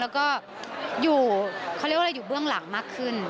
แล้วก็อยู่เขาเรียกว่าอะไรอยู่เบื้องหลังมากขึ้น